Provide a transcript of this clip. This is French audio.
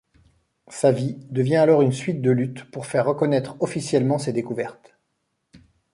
Sa vie devient alors une suite de luttes pour faire reconnaître officiellement ses découvertes.